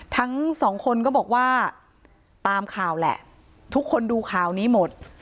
ทั้งสองคนก็บอกว่าตามข่าวแหละทุกคนดูข่าวนี้หมด